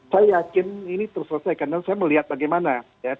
saya yakin ini terselesaikan dan saya melihat bagaimana